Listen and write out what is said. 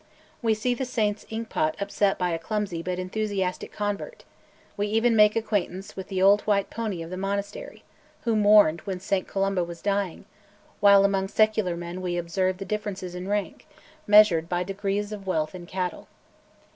We see the saint's inkpot upset by a clumsy but enthusiastic convert; we even make acquaintance with the old white pony of the monastery, who mourned when St Columba was dying; while among secular men we observe the differences in rank, measured by degrees of wealth in cattle.